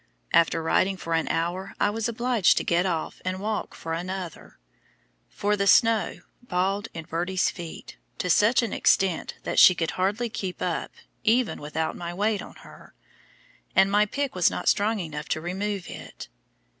After riding for an hour I was obliged to get off and walk for another, for the snow balled in Birdie's feet to such an extent that she could hardly keep up even without my weight on her, and my pick was not strong enough to remove it.